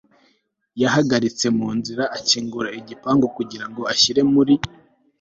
yahagaritse munzira akingura igikapu kugirango ashyire muri